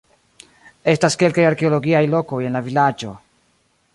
Estas kelkaj arkeologiaj lokoj en la vilaĝo.